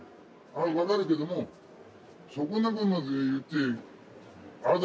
分かるけれども、そこまで言って、ああだ